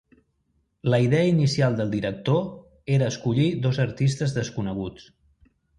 La idea inicial del director era escollir dos artistes desconeguts.